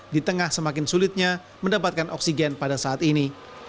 di tengah semakin sulitnya mendapatkan oksigen pada saat ini